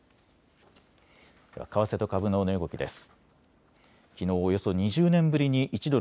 為替と株の値動きです。